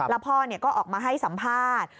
แล้วพ่อก็ออกมาให้สัมภาษณ์